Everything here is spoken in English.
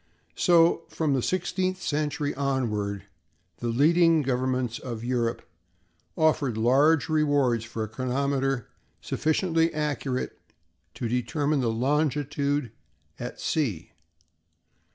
So, from the sixteenth century onward, the leading governments of Europe offered large rewards for a chronometer sufficiently accurate to determine longitude at sea.